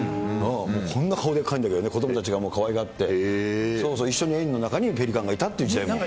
もうこんな顔でかいんだけどね、子どもたちがかわいがって、一緒に園の中にペリカンがいたっていう時代も。